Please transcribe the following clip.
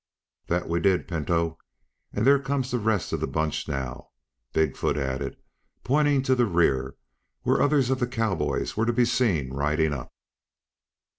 "That we did, Pinto. And there comes the rest of the bunch now," Big foot added, pointing to the rear, where others of the cowboys were to be seen riding up.